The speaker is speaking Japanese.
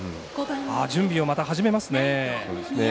準備をまた始めますね。